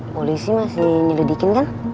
polisi masih nyelidikin kan